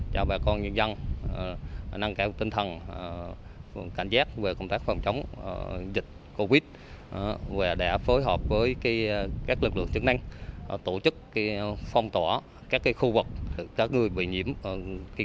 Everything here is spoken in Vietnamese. lực lượng công an thành phố tuy hòa đã phối hợp cùng với các lực lượng chứng minh của thành phố để làm tốt thực hiện tốt thực hiện tốt công tác tư triêng